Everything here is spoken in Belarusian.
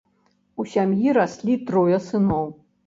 У сям'і раслі трое сыноў.